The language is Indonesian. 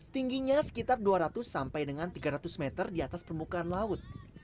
tingginya sekitar dua ratus sampai dengan tiga ratus meter di atas permukaan laut